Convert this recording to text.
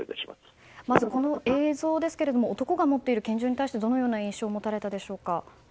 この映像ですが男が持っている拳銃に対してどのような印象を持たれたでしょうか。